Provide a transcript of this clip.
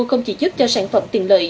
không chỉ giúp cho sản phẩm tiền lợi